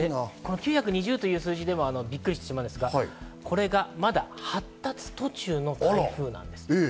９２０という数字でもびっくりしますが、これがまだ、発達途中の台風なんです。